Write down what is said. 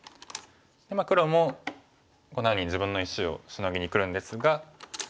黒もこんなふうに自分の石をシノぎにくるんですが。